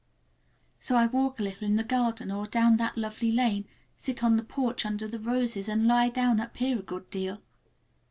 So I walk a little in the garden or down that lovely lane, sit on the porch under the roses, and lie down up here a good deal.